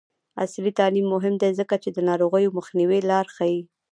عصري تعلیم مهم دی ځکه چې د ناروغیو مخنیوي لارې ښيي.